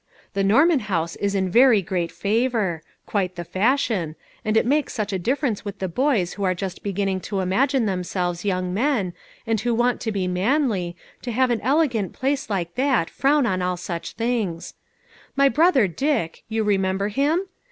The Norman House is in very great favor quite the fashion, and it makes such a difference with the boys who are just beginning to imagine themselves young men, and who want to be manly, to have an elegant place like that frown on all such things. My brother Dick, you remember him?